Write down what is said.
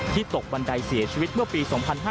ตกบันไดเสียชีวิตเมื่อปี๒๕๕๙